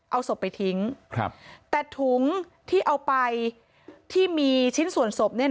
เอาศพไปทิ้งครับแต่ถุงที่เอาไปที่มีชิ้นส่วนศพเนี่ย